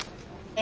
え。